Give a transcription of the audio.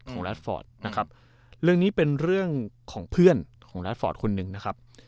ของนะครับเรื่องนี้เป็นเรื่องของเพื่อนของคนหนึ่งนะครับ